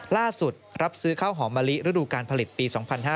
ล่าสุดรับซื้อข้าวหอมะลิฤดูการผลิตปี๒๕๕๙๒๕๖๐